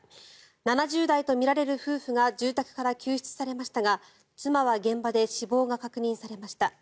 ７０代とみられる夫婦が住宅から救出されましたが妻は現場で死亡が確認されました。